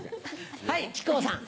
はい木久扇さん。